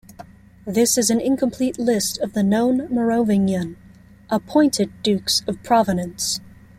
This is an incomplete list of the known Merovingian-appointed dukes of Provence.